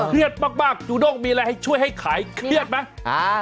เครียดมากจูด้งมีอะไรให้ช่วยให้ขายเครียดไหม